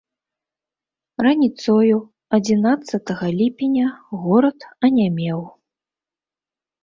Раніцою адзінаццатага ліпеня горад анямеў.